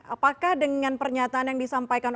apakah dengan pernyataan yang disampaikan